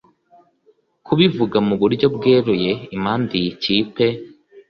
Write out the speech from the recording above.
Kubivuga mu buryo bweruye impamvu iyi kipe